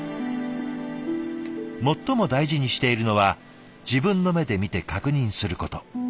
最も大事にしているのは自分の目で見て確認すること。